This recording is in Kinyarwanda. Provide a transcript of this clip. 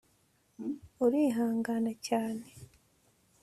urihangana cyane